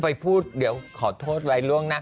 ไปพูดเดี๋ยวขอโทษหลายเรื่องนะ